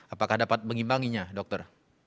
apakah dapat mengimbanginya dokter